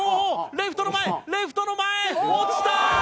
レフトの前レフトの前落ちたー！